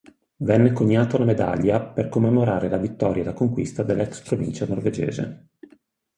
Venne coniata una medaglia per commemorare la vittoria e la conquista dell'ex provincia norvegese.